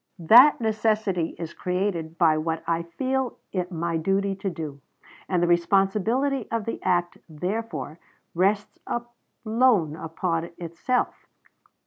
That necessity is created by what I feel it my duty to do; and the responsibility of the act, therefore, rests alone upon myself."